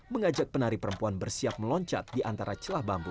mengajak penari perempuan bersiap meloncat di antara celah bambu